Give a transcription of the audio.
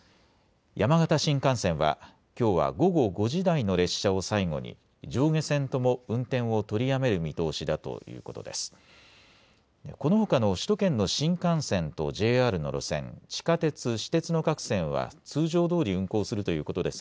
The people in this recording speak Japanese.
山形新幹線はきょうは午後５時台の列車を最後に上下線とも運転を取りやめる見通しだということです。